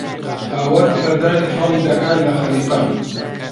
ئاوات سەردانی خاڵی دەکات لە خەلیفان.